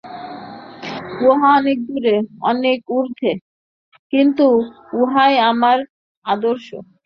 উহা অনেক দূরে, অনেক ঊর্ধ্বে, কিন্তু উহাই আমাদের আদর্শ।